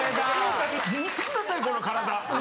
見てくださいこの体。